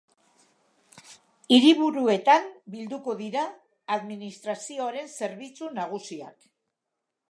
Hiriburuetan bildu dira administrazioaren zerbitzu nagusiak.